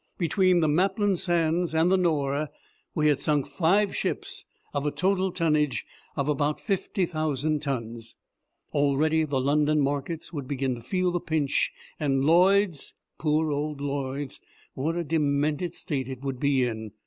Between the Maplin Sands and the Nore we had sunk five ships of a total tonnage of about fifty thousand tons. Already the London markets would begin to feel the pinch. And Lloyd's poor old Lloyd's what a demented state it would be in!